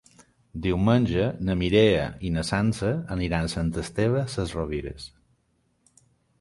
Diumenge na Mireia i na Sança aniran a Sant Esteve Sesrovires.